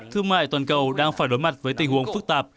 thương mại toàn cầu đang phải đối mặt với tình huống phức tạp